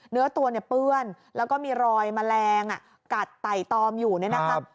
เนื้อตัวเนี่ยเปื้อนแล้วก็มีรอยแมลงกัดไต่ตอมอยู่เนี่ยนะครับ